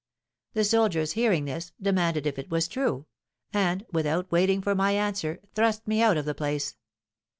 '—The soldiers, hearing this, demanded if it was true; and, without waiting for my answer, thrust me out of the place.